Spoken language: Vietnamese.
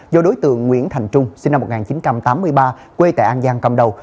do đối tượng nguyễn thành trung sinh năm một nghìn chín trăm tám mươi ba quê tại an giang cầm đầu